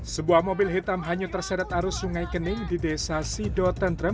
sebuah mobil hitam hanyut terseret arus sungai kening di desa sido tentrem